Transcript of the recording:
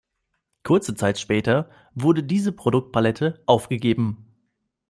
Kurze Zeit später wurde diese Produktpalette aufgegeben.